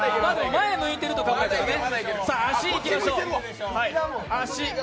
前、向いてると考えたらいいね。